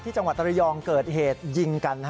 จังหวัดตระยองเกิดเหตุยิงกัน